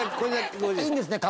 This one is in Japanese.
いいんですね？